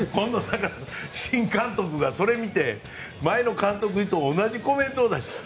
新監督がそれを見て前の監督と同じコメントを出した。